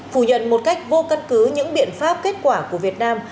phủ nhận một cách vô căn cứ những biện pháp kết quả của việt nam